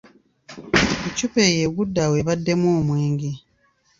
Eccupa eyo eggudde awo ebaddemu omwenge.